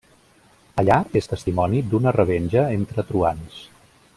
Allà, és testimoni d'una revenja entre truans.